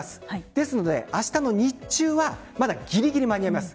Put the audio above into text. ですので明日の日中はまだぎりぎり間に合います。